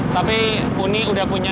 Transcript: tapi uni udah punya